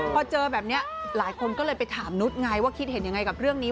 พอเจอแบบนี้หลายคนก็เลยไปถามนุษย์ไงว่าคิดเห็นยังไงกับเรื่องนี้